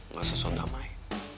nggak usah so damai